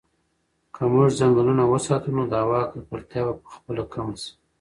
که موږ ځنګلونه وساتو نو د هوا ککړتیا به په خپله کمه شي.